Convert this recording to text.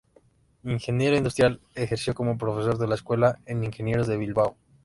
Ingeniero industrial, ejerció como profesor de la Escuela de Ingenieros de Bilbao.